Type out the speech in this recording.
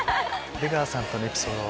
出川さんとのエピソード